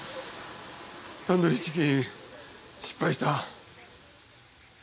タンドリーチキン失敗した。